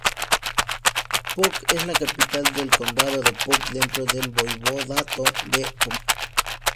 Puck es la capital del condado de Puck, dentro del voivodato de Pomerania.